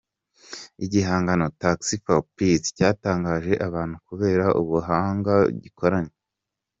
Igihangano “Taxi For Peace” cyatangaje abantu kubera ubuhanga gikoranye.